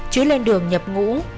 chứ lên đường nhập ngũ